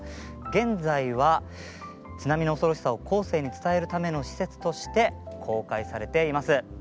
現在は津波の恐ろしさを後世に伝えるための施設として公開されています。